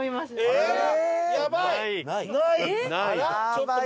えっ？